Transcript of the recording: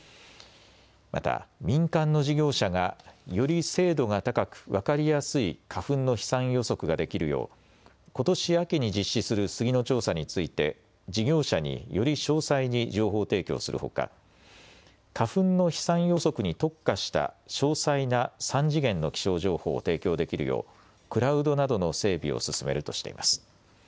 また民間の事業者が、より精度が高く、分かりやすい花粉の飛散予測ができるよう、ことし秋に実施するスギの調査について、事業者により詳細に情報提供するほか、花粉の飛散予測に特化した詳細な３次元の気象情報を提供できるよう、クラウドなどの整備を進めるとしています。